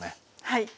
はい。